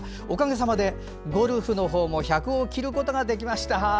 おかげさまでゴルフも１００を切ることができました。